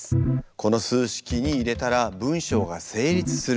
この数式に入れたら文章が成立する数字は９！